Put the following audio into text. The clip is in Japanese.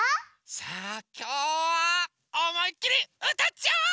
さあきょうはおもいっきりうたっちゃおう！